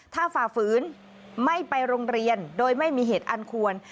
ถ้าฝ่าฝืนไม่ไปโรงเรียนโดยไม่มีเหตุอันควร